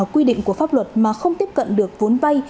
quy định của pháp luật mà không tiếp cận được vốn vay